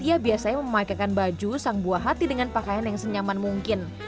ia biasanya memakaikan baju sang buah hati dengan pakaian yang senyaman mungkin